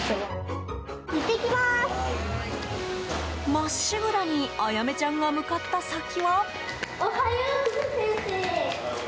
まっしぐらにあやめちゃんが向かった先は。